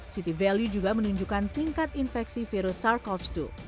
city value juga menunjukkan tingkat infeksi virus sars cov dua